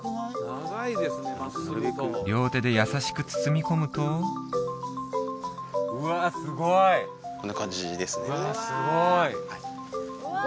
両手で優しく包み込むとうわすごいこんな感じですねうわ！